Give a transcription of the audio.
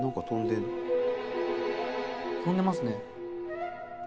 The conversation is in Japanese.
飛んでますね。